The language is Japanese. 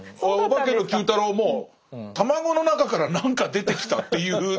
「オバケのＱ太郎」も卵の中から何か出てきたっていう。